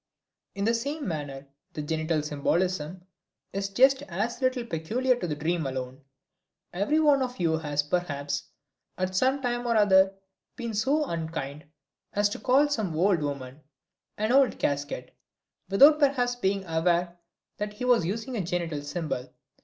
In the same manner the genital symbolism is just as little peculiar to the dream alone. Every one of you has perhaps at some time or other been so unkind as to call some woman an "old casket" without perhaps being aware that he was using a genital symbol.